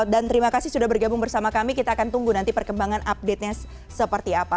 dan terima kasih sudah bergabung bersama kami kita akan tunggu nanti perkembangan update nya seperti apa